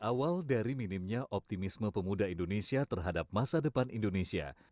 awal dari minimnya optimisme pemuda indonesia terhadap masa depan indonesia